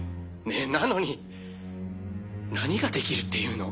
ねぇなのに何ができるっていうの？